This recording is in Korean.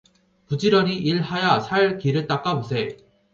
부지런히 일을 하야 살 길을 닦아 보세.